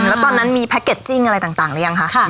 แล้วตอนนั้นมีแพ็กเกจจิ้งอะไรต่างหรือยังคะ